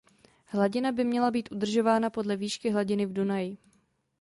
Hladina měla být udržována podle výšky hladiny v Dunaji.